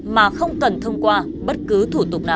mà không cần thông qua bất cứ thủ tục nào